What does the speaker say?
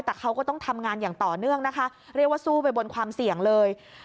แต่เขาก็ต้องทำงานอย่างต่อเนื่องนะคะเรียกว่าสู้ไปบนความเสี่ยงเลย